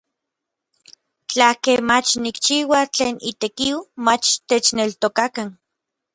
Tlakej mach nikchiua tlen itekiu, mach techneltokakan.